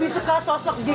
ini basuh mix amt nih